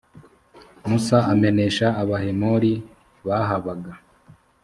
musa amenesha abahemori bahabaga.